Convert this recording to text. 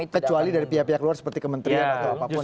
kecuali dari pihak pihak luar seperti kementerian atau apapun